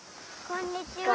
こんにちは。